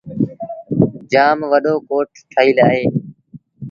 جآم وڏو ڪوٽ ٺهيٚل اهي۔